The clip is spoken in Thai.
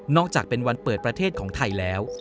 จากเป็นวันเปิดประเทศของไทยแล้ว